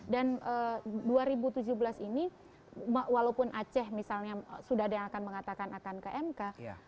dan dua ribu tujuh belas ini walaupun aceh misalnya sudah ada yang akan mengatakan akan ke mk